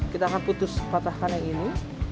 kita akan putus patahkan yang ini